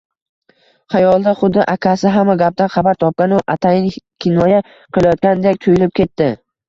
Xayolida xuddi akasi hamma gapdan xabar topgan-u, atayin kinoya qilayotgandek tuyulib ketdi